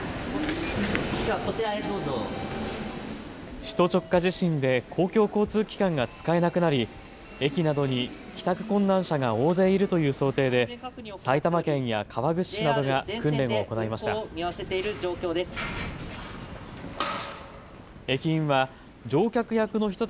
首都直下地震で公共交通機関が使えなくなり駅などに帰宅困難者が大勢いるという想定で埼玉県や川口市などが訓練を行いました。